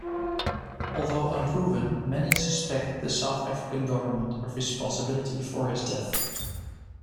Although unproven, many suspect the South African government of responsibility for his death.